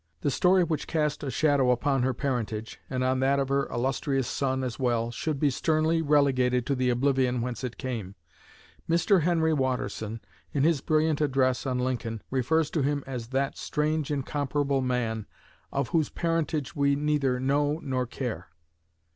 The story which cast a shadow upon her parentage, and on that of her illustrious son as well, should be sternly relegated to the oblivion whence it came. Mr. Henry Watterson, in his brilliant address on Lincoln, refers to him as "that strange, incomparable man, of whose parentage we neither know nor care."